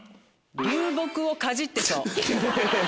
「流木をかじってそう」